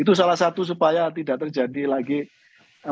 itu salah satu supaya tidak terjadi lagi